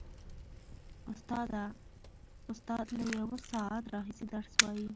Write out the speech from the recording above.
استاد له یوه ساعت راهیسې درس وايي.